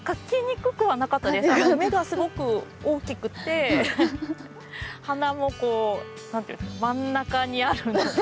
目がすごく大きくて鼻もこう何ていうの真ん中にあるので。